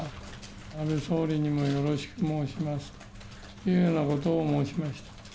安倍総理にもよろしく申しますというようなことを申しました。